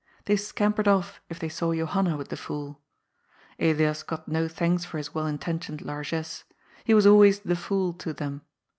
They scampered off, if they saw Johanna with " the fool." Elias got no thanks for his well intentioned largesse ; he was always '^ the fool " to them.